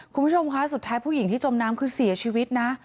คุณผู้ชมคะสุดท้ายผู้หญิงที่จมน้ำคือเสียชีวิตนะ